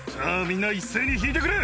みんな一斉に引いてくれ。